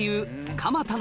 蒲田の？